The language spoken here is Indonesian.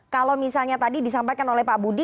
kalau misalnya tadi disampaikan oleh pak budi